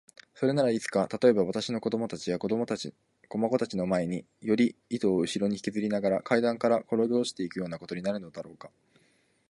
それならいつか、たとえば私の子供たちや子孫たちの前に、より糸をうしろにひきずりながら階段からころげ落ちていくようなことになるのだろうか。